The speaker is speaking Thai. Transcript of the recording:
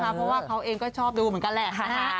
เพราะว่าเขาเองก็ชอบดูเหมือนกันแหละ